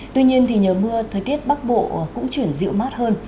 tuy nhiên thì nhờ mưa thời tiết bắc bộ cũng chuyển dịu mát hơn